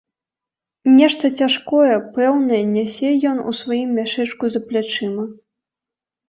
Нешта цяжкое, пэўне, нясе ён у сваім мяшэчку за плячыма.